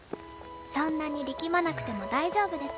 そんなに力まなくても大丈夫ですよ。